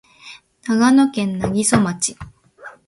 長野県南木曽町